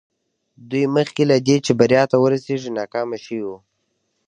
دوی مخکې له دې چې بريا ته ورسېږي ناکام شوي وو.